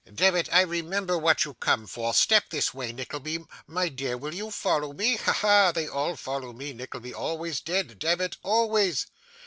'Demmit, I remember what you come for. Step this way, Nickleby; my dear, will you follow me? Ha! ha! They all follow me, Nickleby; always did, demmit, always.